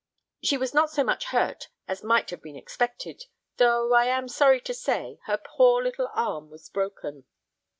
She was not so much hurt as might have been expected, though, I am sorry to say, her poor little arm was broken."